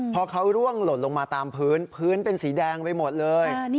พอเขาร่วงหล่นลงมาตามพื้นพื้นเป็นสีแดงไปหมดเลย